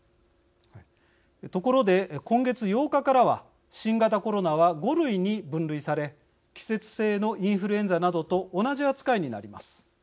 ところで、今月８日からは新型コロナは５類に分類され季節性のインフルエンザなどと同じ扱いになります。